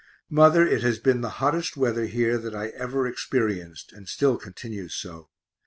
Mother, it has been the hottest weather here that I ever experienced, and still continues so.